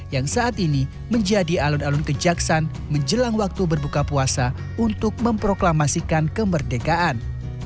yang saat ini menjadi alun alun kejaksan menjelang waktu berbuka puasa untuk memproklamasikan kemerdekaan